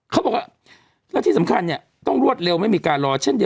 คำต้องบอกว่าที่สมคัญเนี่ยต้องรวดเร็วไม่มีการรอ